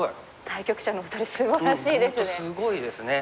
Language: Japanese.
対局者のお二人すばらしいですね。